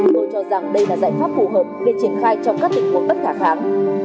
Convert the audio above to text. tôi cho rằng đây là giải pháp phù hợp để triển khai trong các tình huống bất khả kháng